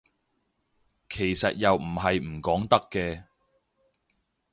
其實又唔係唔講得嘅